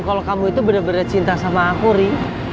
kalau kamu itu bener bener cinta sama aku ri